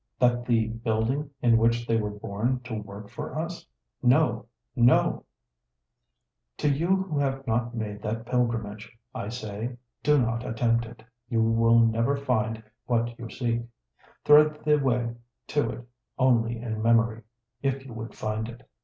That the building in which they were born to work for us ? No, no !" To you who have not made that pilgrimage, I say, do not attempt it; you will never find what you seek. Thread the way to it only in memory, if you would find it.